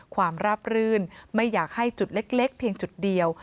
ความราบรื่นไม่อยากให้จุดเล็กเพียงจุดเดียว